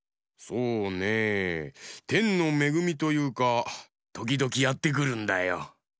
そうねえてんのめぐみというかときどきやってくるんだよ。